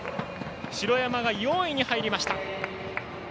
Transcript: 城山が４位に入りました。